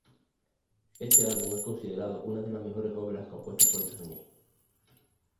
Este álbum es considerado una de las mejores obras compuestas por Yanni.